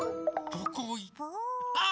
どこいっ。